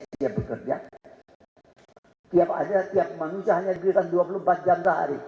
dia bekerja tiap hari tiap manusia hanya diberikan dua puluh empat jam sehari